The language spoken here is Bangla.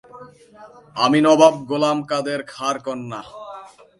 আমি নবাব গোলামকাদের খাঁর কন্যা।